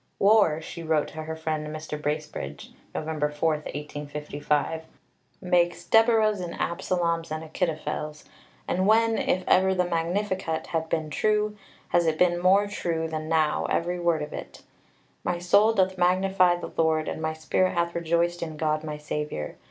"War," she wrote to her friend, Mr. Bracebridge (Nov. 4, 1855), "makes Deborahs and Absaloms and Achitophels; and when, if ever the Magnificat has been true, has it been more true than now, every word of it? My soul doth magnify the Lord, and my spirit hath rejoiced in God my Saviour.